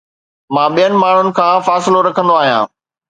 مان ٻين ماڻهن کان فاصلو رکندو آهيان